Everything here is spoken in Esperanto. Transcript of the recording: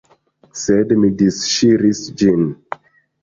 Sed mi disŝiris ĝin.